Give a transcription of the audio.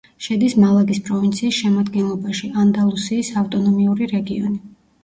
შედის მალაგის პროვინციის შემადგენლობაში, ანდალუსიის ავტონომიური რეგიონი.